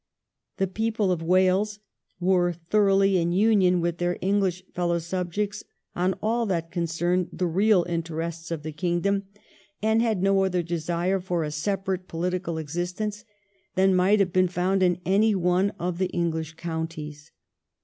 The people of Wales were thoroughly in union with their English fellow subjects on all that concerned the real interests of the kingdom, and had no more desire for a separate political existence than might have been found in any one of the English counties.